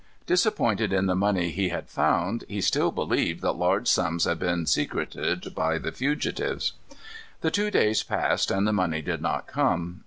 Disappointed in the money he had found, he still believed that large sums had been secreted by the fugitives. The two days passed, and the money did not come.